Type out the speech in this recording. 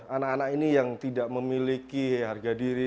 anak anak ini yang tidak memiliki harga diri